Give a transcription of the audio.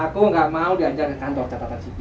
aku nggak mau diajar ke kantor catatan sipil